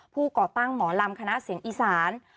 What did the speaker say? ก่อตั้งหมอลำคณะเสียงอีสาน